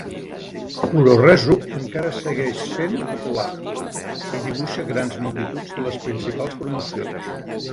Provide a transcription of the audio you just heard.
Puroresu encara segueix sent popular i dibuixa grans multituds de les principals promocions.